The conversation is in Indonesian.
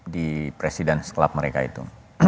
di presiden club mereka itu